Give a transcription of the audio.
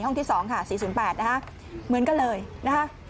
ที่๒ค่ะ๔๐๘นะคะเหมือนกันเลยนะคะ